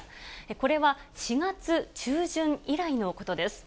これは４月中旬以来のことです。